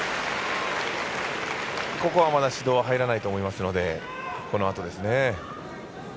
ここはまだ指導は入らないと思いますのでこのあとですね。